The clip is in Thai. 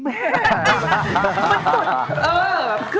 แม่มันสด